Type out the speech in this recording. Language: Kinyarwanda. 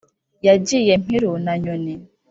yagiye mpiru na nyoni